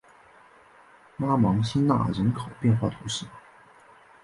拉芒辛讷人口变化图示